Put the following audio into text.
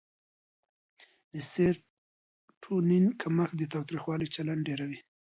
د سېرټونین کمښت د تاوتریخوالي چلند ډېروي.